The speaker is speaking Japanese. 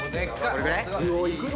これぐらい？